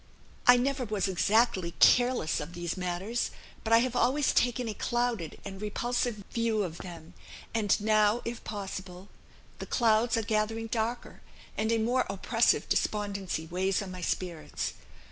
I never was exactly careless of these matters, but I have always taken a clouded and repulsive view of them; and now, if possible, the clouds are gathering darker, and a more oppressive despondency weighs on my spirits.